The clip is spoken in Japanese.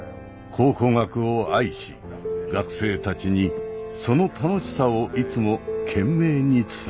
考古学を愛し学生たちにその楽しさをいつも懸命に伝えた。